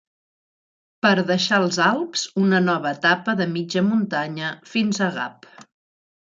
Per deixar els Alps una nova etapa de mitja muntanya fins a Gap.